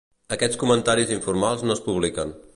Aquests comentaris informals no es publiquen.